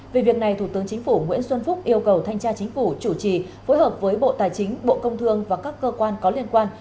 về việc này thủ tướng chính phủ nguyễn xuân phúc yêu cầu thanh tra chính phủ chủ trì phối hợp với bộ tài chính bộ công thương và các cơ quan có liên quan